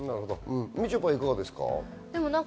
みちょぱ、いかがですか？